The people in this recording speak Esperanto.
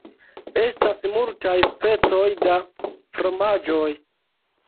Estas multaj specoj da fromaĝoj.